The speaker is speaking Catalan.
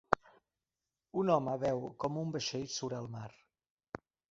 Un home veu com un vaixell surt al mar.